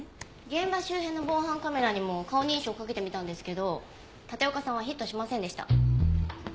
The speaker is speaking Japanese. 現場周辺の防犯カメラにも顔認証をかけてみたんですけど立岡さんはヒットしませんでした。